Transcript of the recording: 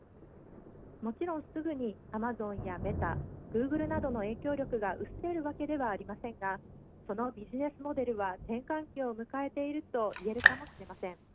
もちろん、すぐにアマゾンやメタグーグルなどの影響力が薄れるわけではありませんがそのビジネスモデルは転換期を迎えていると言えるかもしれません。